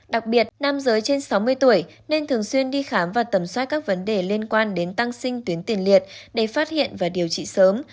đặc biệt nam giới trên sáu mươi tuổi nên thường xuyên đi khám và tầm soát các vấn đề liên quan đến tăng sinh tuyến tiền liệt để phát hiện và điều trị sớm